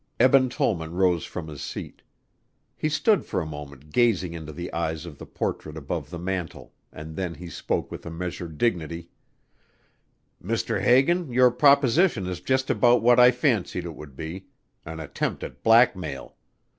Eben Tollman rose from his seat. He stood for a moment gazing into the eyes of the portrait above the mantel and then he spoke with a measured dignity: "Mr. Hagan, your proposition is just about what I fancied it would be an attempt at blackmail.